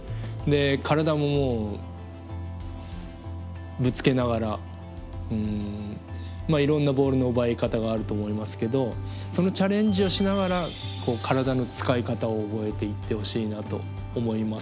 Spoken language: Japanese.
体ももうぶつけながらいろんなボールの奪い方があると思いますけどそのチャレンジをしながら体の使い方を覚えていってほしいなと思います。